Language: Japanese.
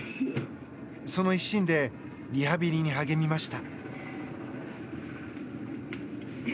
その一心でリハビリに励みました。